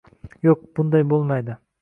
Yo'q, bunday bo'lmaydi